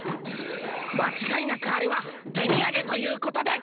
まちがいなくあれは手みやげということでゴンス！